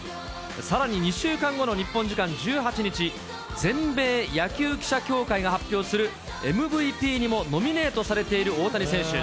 さらに２週間後の日本時間１８日、全米野球記者協会が発表するＭＶＰにもノミネートされている大谷選手。